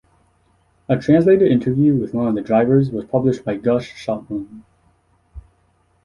A translated interview with one of the drivers was published by Gush Shalom.